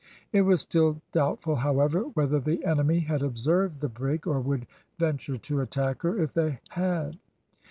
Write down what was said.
It was still doubtful, however, whether the enemy had observed the brig, or would venture to attack her if they had.